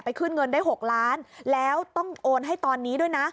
ขึ้นเงินได้๖ล้านแล้วต้องโอนให้ตอนนี้ด้วยนะ